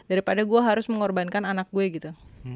daripada gue harus mengorbankan anak gue gitu